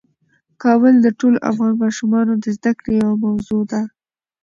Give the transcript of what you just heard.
کابل د ټولو افغان ماشومانو د زده کړې یوه موضوع ده.